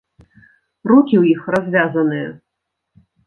Рукі ў іх развязаныя.